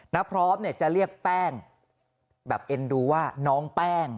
น้าพร้อมจะเรียกแป้งแบบเอ็นดูว่าน้องแป้ง